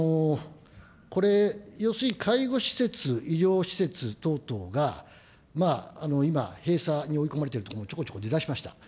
これ要するに介護施設、医療施設等々が今、閉鎖に追い込まれているところもちょこちょこ出だしました。